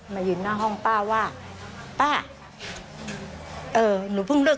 ป้านิวพึ่งเริกกับแฟนหนูเมื่อกี้นี้